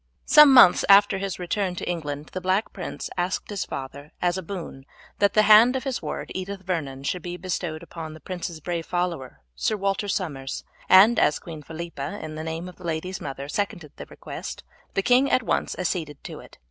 Some months after his return to England the Black Prince asked his father as a boon that the hand of his ward Edith Vernon should be bestowed upon the prince's brave follower Sir Walter Somers, and as Queen Philippa, in the name of the lady's mother, seconded the request, the king at once acceded to it.